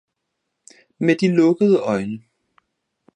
med de lukkede øjne!